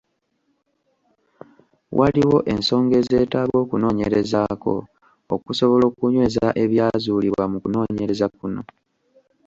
Waliwo ensonga ezeetaaga okunoonyerezaako okusobola okunyweza ebyazuulibwa mu kunoonyereza kuno.